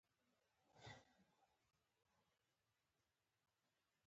په سلګونو مقالې او شعرونه یې په مطبوعاتو کې خپاره شوي.